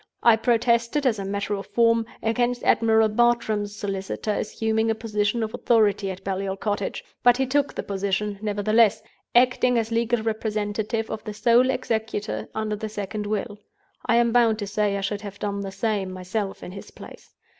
I protested, as a matter of form, against Admiral Bartram's solicitor assuming a position of authority at Baliol Cottage. But he took the position, nevertheless; acting as legal representative of the sole Executor under the second Will. I am bound to say I should have done the same myself in his place.